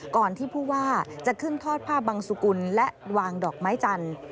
ก่อนที่ผู้ว่าจะขึ้นทอดผ้าบังสุกุลและวางดอกไม้จันทร์